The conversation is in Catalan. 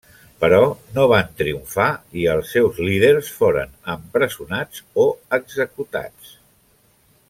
Però no van triomfar i els seus líders foren empresonats o executats.